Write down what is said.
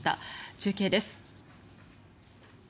中継です。